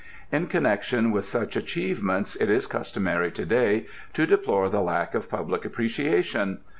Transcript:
In connection with such achievements it is customary to day to deplore the lack of public appreciation.